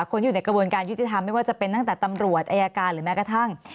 คนที่อยู่ในกระบวนการยุติธรรมไม่ว่าจะเป็นตั้งแต่ตำรวจอายการหรือแม้กระทั่ง